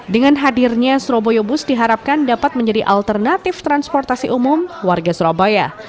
dengan hadirnya surabaya bus diharapkan dapat menjadi alternatif transportasi umum warga surabaya